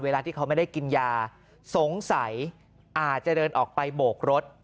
เวลาที่เขาไม่ได้กินยาสงสัยอาจจะเดินออกไปโบกรถ